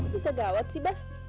bisa gawat sih bah